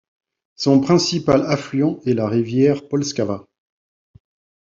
Son principal affluent est la rivière Polskava.